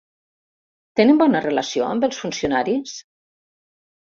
Tenen bona relació amb els funcionaris?